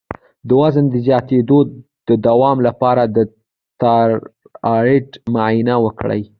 د وزن د زیاتیدو د دوام لپاره د تایرايډ معاینه وکړئ